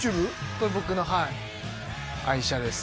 これ僕のはい愛車です